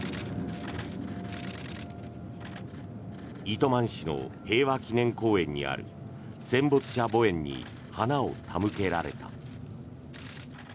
糸満市の平和祈念公園にある戦没者墓苑に花を手向けられた。